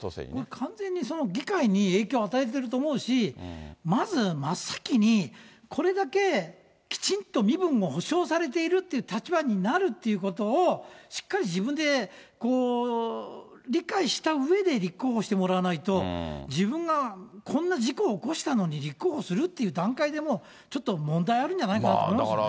完全にその議会に影響を与えてると思うし、まず真っ先にこれだけきちんと身分を保障されているっていう立場になるっていうことをしっかり自分で理解したうえで、立候補してもらわないと、自分がこんな事故を起こしたのに、立候補するっていう段階でもう、ちょっと問題あるんじゃないかなと思いますよね。